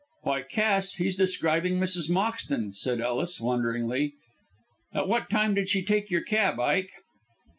"Why, Cass, he is describing Mrs. Moxton," said Ellis, wonderingly. "At what time did she take your cab, Ike?"